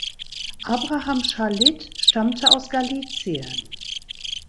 Abraham Schalit stammte aus Galizien.